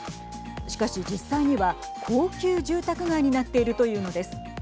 しかし実際には高級住宅街になっているというのです。